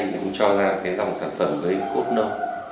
mình cũng cho ra cái dòng sản phẩm với cốt nông